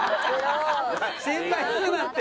心配すんなって。